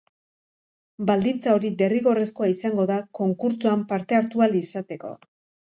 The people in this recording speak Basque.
Baldintza hori derrigorrezkoa izango da konkurtsoan parte hartu ahal izateko.